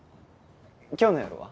今日の夜は？